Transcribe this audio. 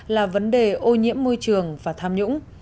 là vấn đề ô nhiễm môi trường và tham nhũng